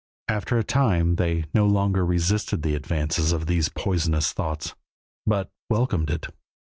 After a time they no longer resisted the advance of these poisonous thoughts, but welcomed it.